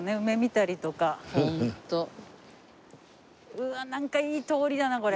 うわっなんかいい通りだなこれ。